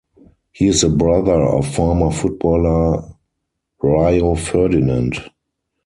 He is the brother of former footballer Rio Ferdinand.